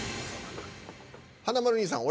華丸兄さん